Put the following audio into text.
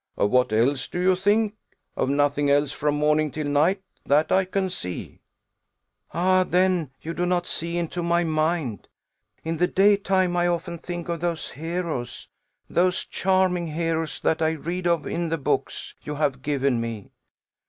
"Of what else do you think? Of nothing else from morning till night, that I can see." "Ah, then you do not see into my mind. In the daytime often think of those heroes, those charming heroes, that I read of in the books you have given me."